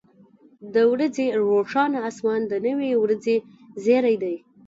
• د ورځې روښانه اسمان د نوې ورځې زیری دی.